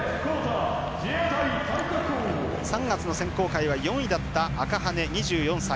３月の選考会は４位だった赤羽根、２４歳。